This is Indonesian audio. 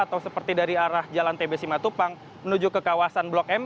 atau seperti dari arah jalan tb simatupang menuju ke kawasan blok m